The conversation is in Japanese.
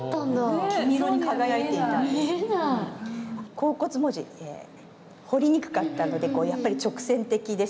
甲骨文字彫りにくかったのでやっぱり直線的でしたよね。